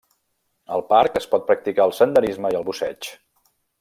Al parc es pot practicar el senderisme i el busseig.